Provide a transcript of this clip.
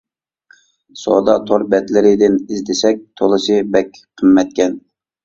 سودا تور بەتلىرىدىن ئىزدىسەك تولىسى بەك قىممەتكەن.